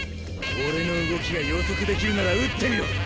俺の動きが予測できるなら撃ってみろ。